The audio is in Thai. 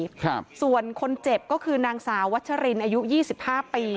ครับส่วนคนเจ็บก็คือนางสาววัชรินอายุยี่สิบห้าปี